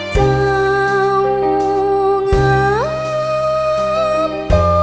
เจ้างามต้อง